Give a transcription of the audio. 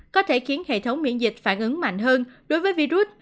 có thể khiến hệ thống miễn dịch phản ứng mạnh hơn đối với virus